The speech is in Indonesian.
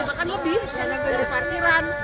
bahkan lebih dari parkiran